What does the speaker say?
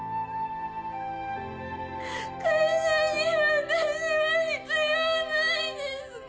会社に私は必要ないですか？